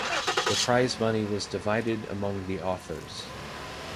The prize money was divided among the authors.